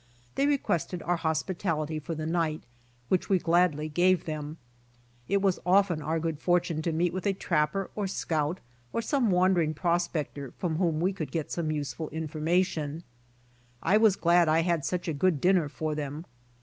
They requested our hosi>itality for the night, which we gladly gave them. It was often our good fortune to mjeet with a trapper or scout or some wandering prospector from whom we could get some useful ENTERTAINING STRANGERS 65 information. I was glad I had such a good dinner for them.